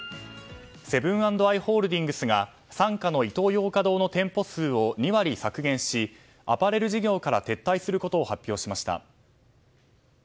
セブン＆アイ・ホールディングスが傘下のイトーヨーカ堂の店舗数を２割削減しアパレル事業から撤退することを発表しました。